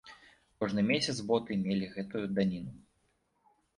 Кожны месяц боты мелі гэтую даніну.